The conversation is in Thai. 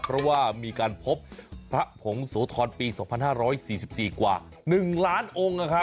เพราะว่ามีการพบพระผงโสธรปี๒๕๔๔กว่า๑ล้านองค์